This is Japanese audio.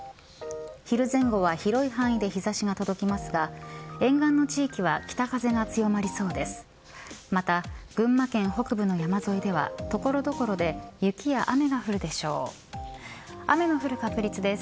昼前後は広い範囲で日差しが届きますが沿岸の地域は北風が強まりそうです。